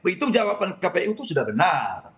perhitung jawaban kpu itu sudah benar